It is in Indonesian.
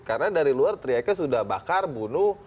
karena dari luar teriakan sudah bakar bunuh